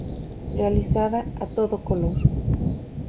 Realizada a todo color.